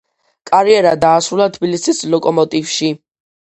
კარიერა დაასრულა თბილისის „ლოკომოტივში“.